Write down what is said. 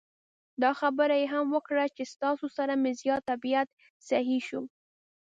دا خبره یې هم وکړه چې ستاسو سره مې زیات طبعیت سهی شو.